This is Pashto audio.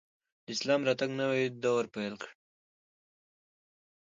د اسلام راتګ نوی دور پیل کړ